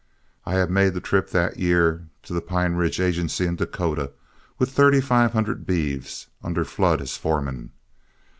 I had made the trip that year to the Pine Ridge Agency in Dakota with thirty five hundred beeves, under Flood as foreman.